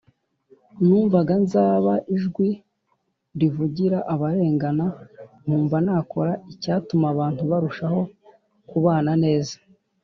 Numvaga nzaba ijwi rivugira abarengana, nkumva nakora icyatuma abantu barushaho kubana neza.